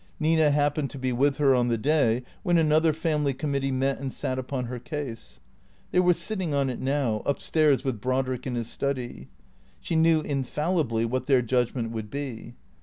Nina happened to be with her on the day when another family committee met and sat upon her ease. They were sitting on it now, up stairs with Brodrick in his study. She knew infallibly what their judg ment would be.